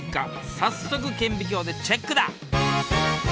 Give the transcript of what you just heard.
早速顕微鏡でチェックだ！